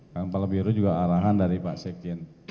kepala biru juga arahan dari pak sekin